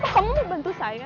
kok kamu mau bantu saya